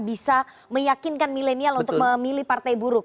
bisa meyakinkan milenial untuk memilih partai buruk